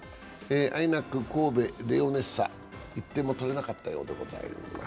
ＩＮＡＣ神戸レオネッサ、１点も取れなかったようでございます。